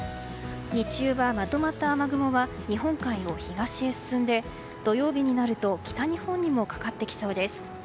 日中はまとまった雨雲は日本海の東へ進んで土曜日になると北日本にもかかってきそうです。